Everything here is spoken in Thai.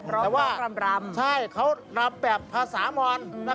ลำตัดรำรำใช่เขารำแบบภาษามร